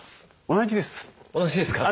同じですか。